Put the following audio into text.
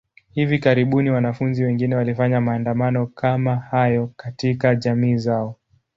Hivi karibuni, wanafunzi wengine walifanya maandamano kama hayo katika jamii zao.